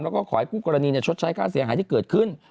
แล้วก็ขอให้คู่กรณีชดใช้ค่าเสียหายที่เกิดขึ้น